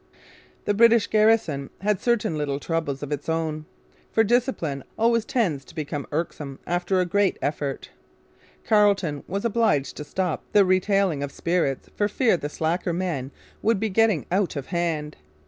The British garrison had certain little troubles of its own; for discipline always tends to become irksome after a great effort. Carleton was obliged to stop the retailing of spirits for fear the slacker men would be getting out of hand.